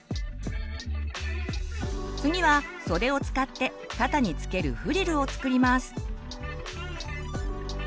次は袖を使って肩に付けるフリルを作ります。